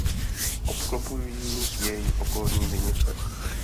Obklopují jej okolní vinice.